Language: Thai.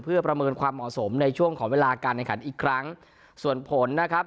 เพื่อประเมินความเหมาะสมในช่วงของเวลาการแข่งขันอีกครั้งส่วนผลนะครับ